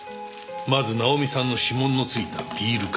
まずナオミさんの指紋のついたビール缶。